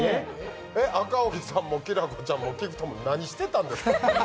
赤荻さんも、きらこちゃんも菊田も何してたんですか？